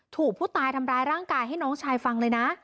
ถูกผู้ตายทำร้ายร่างกายให้น้องชายฟังเลยนะ